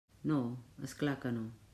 No, és clar que no.